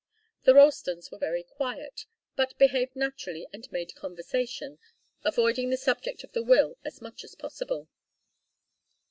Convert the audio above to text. The Ralstons were very quiet, but behaved naturally and made conversation, avoiding the subject of the will as much as possible.